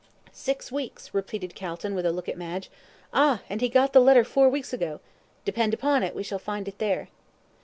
"Six weeks," repeated Calton, with a look at Madge. "Ah, and he got the letter four weeks ago. Depend upon it, we shall find it there."